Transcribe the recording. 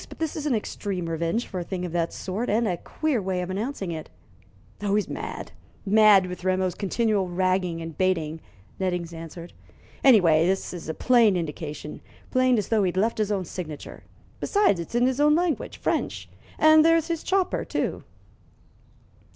But this is an extreme revenge for a thing of that sort, and a queer way of announcing it." "Oh, he's mad mad with Rameau's continual ragging and baiting," Nettings answered. "Anyway, this is a plain indication plain as though he'd left his own signature. Besides, it's in his own language French. And there's his chopper, too."